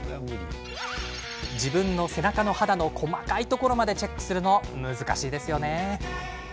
自分の背中の肌の細かいところまでチェックするの難しいですよね。